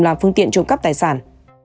làm phương tiện trộm cắp tài sản